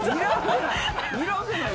にらんでない。